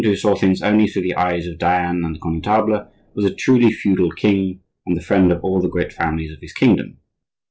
who saw things only through the eyes of Diane and the Connetable, was a truly feudal king and the friend of all the great families of his kingdom.